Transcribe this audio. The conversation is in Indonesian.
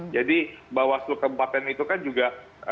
jadi bahwa selu keempatan itu kan juga